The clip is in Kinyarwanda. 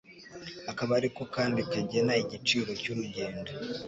akaba ariko kandi kagena igiciro cy'urugendo